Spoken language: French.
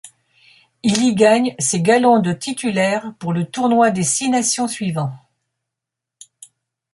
Il y gagne ses galons de titulaires pour le Tournoi des Six Nations suivant.